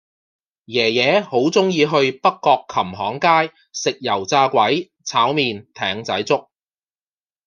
爺爺好鍾意去北角琴行街食油炸鬼炒麵艇仔粥